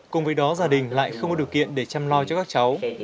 cùng với đó gia đình lại không có điều kiện để chăm lo cho các cháu